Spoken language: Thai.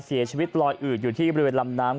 เสียชีวิตลอยอืดอยู่ที่บริเวณลำน้ำ